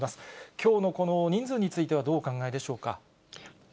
きょうのこの人数については、どうお考えでしょうか。